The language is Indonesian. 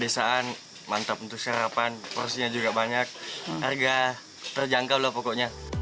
desaan mantap untuk sarapan porsinya juga banyak harga terjangkau pokoknya